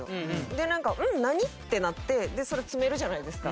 でなんか「ん？何？」ってなってそれ詰めるじゃないですか。